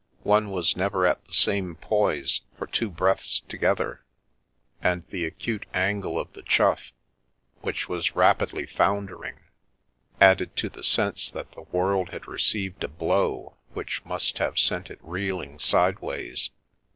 One was never at the same poise for two breaths together, and the acute angle of the Chough, which was rapidly foundering, added to the sense that the world had received a blow which must have sent it reeling sideways.